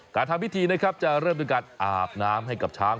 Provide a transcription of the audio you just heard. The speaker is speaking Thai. การทำพิธีนะครับจะเริ่มด้วยการอาบน้ำให้กับช้าง